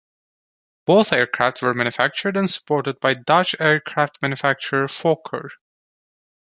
Both aircraft were manufactured and supported by Dutch aircraft manufacturer Fokker.